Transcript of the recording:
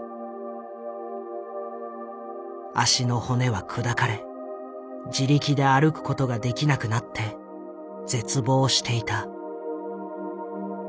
足の骨は砕かれ自力で歩くことができなくなって絶望していた。